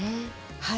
はい。